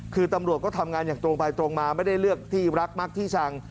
คือตำรวจก็ทำงานอย่างตรงไปตรงมาไม่ได้เลือกที่รักมักที่ชัง